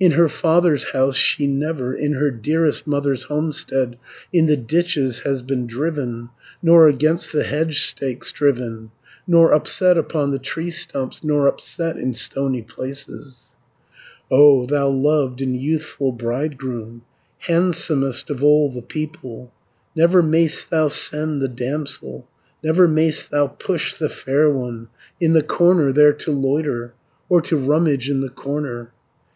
In her father's house she never, In her dearest mother's homestead, In the ditches has been driven, Nor against the hedge stakes driven, 100 Nor upset upon the tree stumps, Nor upset in stony places. "O thou loved and youthful bridegroom, Handsomest of all the people, Never may'st thou send the damsel, Never may'st thou push the fair one In the corner there to loiter, Or to rummage in the corner.